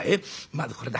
まずこれだ。